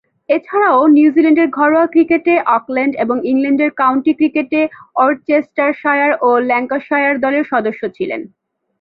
এছাড়াও নিউজিল্যান্ডের ঘরোয়া ক্রিকেটে অকল্যান্ড এবং ইংল্যান্ডের কাউন্টি ক্রিকেটে ওরচেস্টারশায়ার ও ল্যাঙ্কাশায়ার দলের সদস্য ছিলেন।